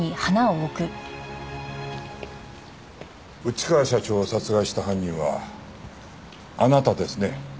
内川社長を殺害した犯人はあなたですね